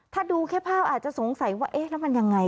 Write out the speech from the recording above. ถ้าดูแค่ภาพอาจจะสงสัยว่าเอ๊ะแล้วมันยังไง